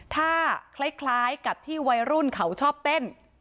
ถ้าคล้ายกับที่วัยรุ่นเขาชอบเต้น